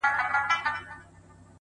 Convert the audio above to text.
• داسي يوه چا لكه سره زر تر ملا تړلى يم،